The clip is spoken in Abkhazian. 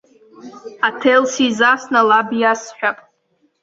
Аҭел сизасны, лаб иасҳәап.